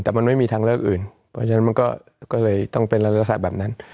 แต่มันไม่มีทางเลือกอื่นเพราะฉะนั้นมันก็เลยต้องเป็นลักษณะแบบนั้น